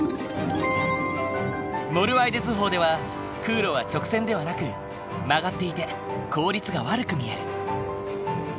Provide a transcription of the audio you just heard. モルワイデ図法では空路は直線ではなく曲がっていて効率が悪く見える。